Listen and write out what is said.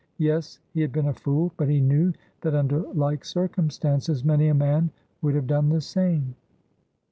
Yes, he had been a fool, but he knew that under like circumstances many a man would have done the same.